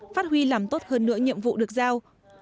phát huy làm tốt hơn nữa nhiệm vụ được giao